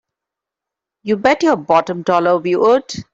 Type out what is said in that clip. You bet your bottom dollar we would!